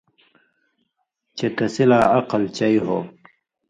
چے تسی لا عقل چئ ہو۔